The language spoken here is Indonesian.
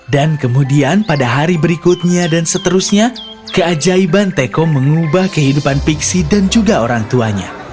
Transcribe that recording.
dan kemudian pada hari berikutnya dan seterusnya keajaiban teko mengubah kehidupan pixie dan juga orang tuanya